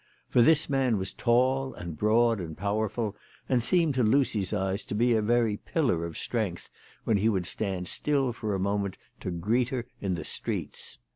For this man was tall and broad and powerful, and seemed to Lucy's eyes to be a very pillar of strength when he would stand still for a moment to greet her in the streets.